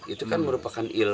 itu kan merupakan istilahnya